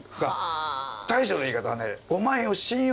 大将の言い方はね。